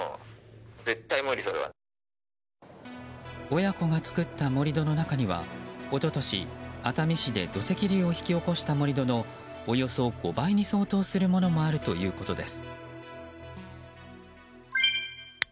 親子が作った盛り土の中には一昨年、熱海市で土石流を引き起こした盛り土のおよそ５倍に相当するものもあるということです。